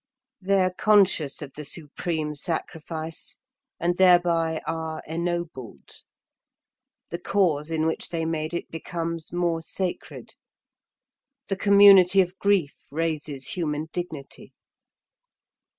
They are conscious of the supreme sacrifice and thereby are ennobled. The cause in which they made it becomes more sacred. The community of grief raises human dignity.